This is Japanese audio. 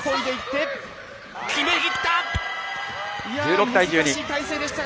決めきった！